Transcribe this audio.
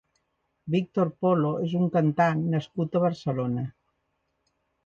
Víctor Polo és un cantant nascut a Barcelona.